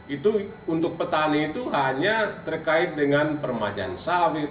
itu untuk petani itu hanya terkait dengan permajaan sawit